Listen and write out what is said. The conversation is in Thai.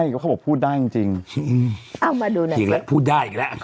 แมวพูดได้เนี่ยป่ะ